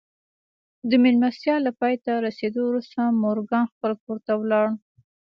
د مېلمستيا له پای ته رسېدو وروسته مورګان خپل کور ته ولاړ.